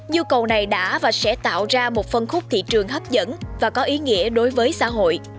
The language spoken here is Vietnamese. nhu cầu này đã và sẽ tạo ra một phân khúc thị trường hấp dẫn và có ý nghĩa đối với xã hội